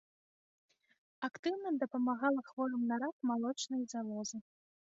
Актыўна дапамагала хворым на рак малочнай залозы.